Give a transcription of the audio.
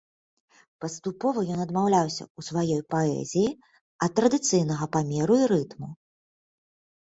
Паступова ён адмаўляўся ў сваёй паэзіі ад традыцыйнага памеру і рытму.